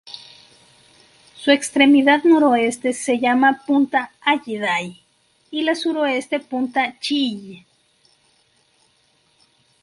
Su extremidad noroeste se llama punta Halliday y la sureste punta Chill.